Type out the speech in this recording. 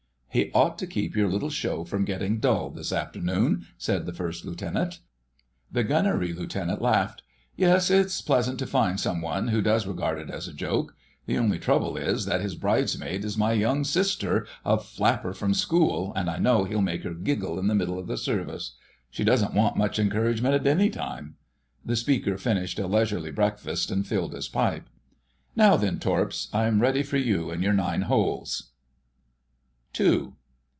"He ought to keep your little show from getting dull this afternoon," said the First Lieutenant. The Gunnery Lieutenant laughed. "Yes, it's pleasant to find some one who does regard it as a joke. The only trouble is that his bridesmaid is my young sister, a flapper from school, and I know he'll make her giggle in the middle of the service. She doesn't want much encouragement at any time." The speaker finished a leisurely breakfast and filled his pipe. "Now then, Torps, I'm ready for you and your nine holes...." *II.